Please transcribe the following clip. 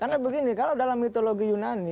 karena begini kalau dalam mitologi yunani